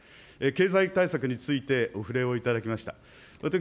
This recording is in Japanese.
経済対策についてお触れをいただきました。